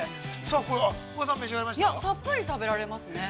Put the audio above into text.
◆さっぱり食べられますね。